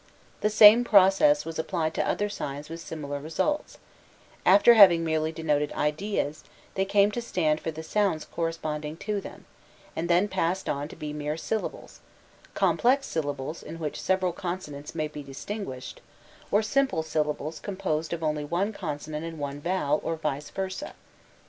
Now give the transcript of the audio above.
The same process was applied to other signs with similar results: after having merely denoted ideas, they came to stand for the sounds corresponding to them, and then passed on to be mere syllables complex syllables in which several consonants may be distinguished, or simple syllables composed of only one consonant and one vowel, or vice versa.